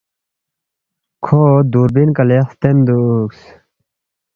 کھو دُوربین کلے ہلتین دُوکس